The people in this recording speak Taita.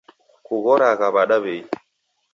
Kughoragha w'ada w'ei?